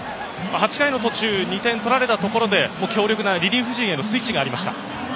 ８回途中、２点取られたところで強力なリリーフ陣へのスイッチがありました。